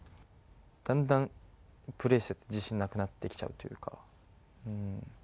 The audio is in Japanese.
だんだん、プレーしてて、自信なくなってきちゃうというか。